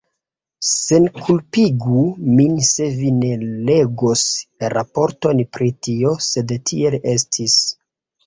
Senkulpigu min se vi ne legos raporton pri tio, sed tiel estis.